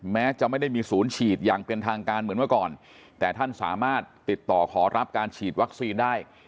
แม้จะไม่ได้มีศูนย์ฉีดอย่างเป็นทางการเหมือนเมื่อก่อนแต่ท่านสามารถติดต่อขอรับการฉีดวัคซีนได้